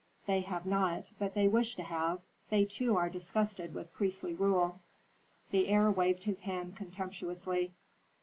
"They have not, but they wish to have. They, too, are disgusted with priestly rule." The heir waved his hand contemptuously.